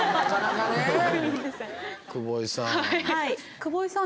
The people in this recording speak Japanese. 久保井さん。